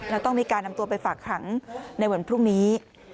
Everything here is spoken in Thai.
แล้วต้องมีการนำตัวไปฝากขังในวันพรุ่งนี้